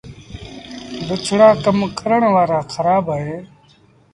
بُڇڙآ ڪم ڪرڻ وآرآ کرآب اهين۔